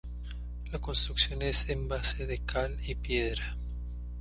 La construcción es en base de cal y piedra.